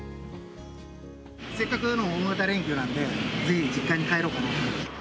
せっかくの大型連休なんで、ぜひ実家に帰ろうかなと。